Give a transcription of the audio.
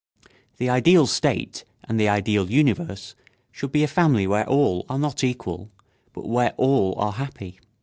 The ideal state and the ideal universe should be a family where all are not equal, but where all are happy.